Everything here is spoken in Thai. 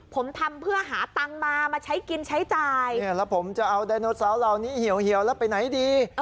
ผมทำเพื่อหาตังค์มามาใช้กินใช้จ่ายแล้วผมจะเอาไดโนเสาร์เหล่านี้เหี่ยวแล้วไปไหนดี